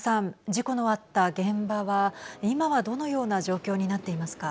事故のあった現場は今は、どのような状況になっていますか。